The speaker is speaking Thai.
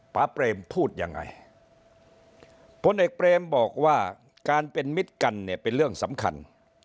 เปรมพูดยังไงพลเอกเปรมบอกว่าการเป็นมิตรกันเนี่ยเป็นเรื่องสำคัญ